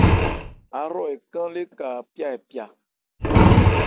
Áhrɔ́ ɛ kán léka pyá ɛ pyá ?